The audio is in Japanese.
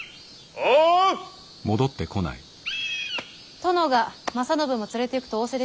殿が正信も連れていくと仰せでしたよ。